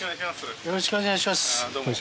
よろしくお願いします。